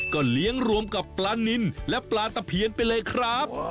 ก็เลี้ยงรวมกับปลานินและปลาตะเพียนไปเลยครับ